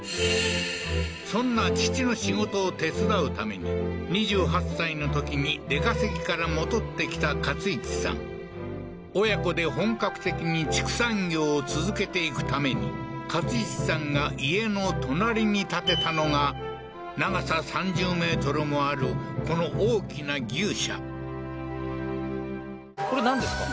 そんな父の仕事を手伝うために２８歳のときに出稼ぎから戻ってきた勝一さん親子で本格的に畜産業を続けていくために勝一さんが家の隣に建てたのが長さ３０メートルもあるこの大きな牛舎これなんですか？